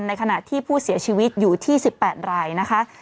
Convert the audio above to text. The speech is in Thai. ในขณะที่ผู้เสียชีวิตอยู่ที่๑๘รายนะคะ